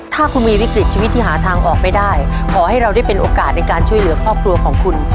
ถ้าคุณมีวิกฤตชีวิตที่หาทางออกไม่ได้ขอให้เราได้เป็นโอกาสในการช่วยเหลือครอบครัวของคุณ